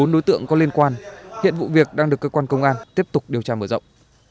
bốn đối tượng có liên quan hiện vụ việc đang được cơ quan công an tiếp tục điều tra mở rộng